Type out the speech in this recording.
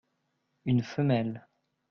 Une femelle.